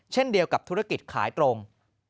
เช่นเดียวกับธุรกิจขายตรง